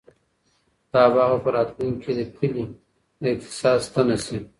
دا باغ به په راتلونکي کې د کلي د اقتصاد ستنه شي.